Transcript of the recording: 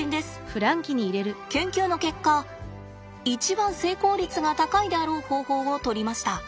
研究の結果一番成功率が高いであろう方法をとりました。